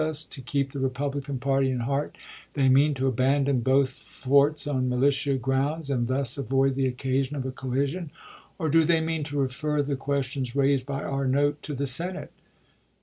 xxiv. us to keep the Republican party in heart, they mean to abandon both forts on military grounds and thus avoid the occasion of a collision, or do they mean to refer the questions raised by our note to the Senate!